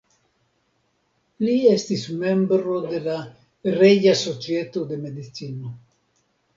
Li estis membro de la "Reĝa Societo de Medicino".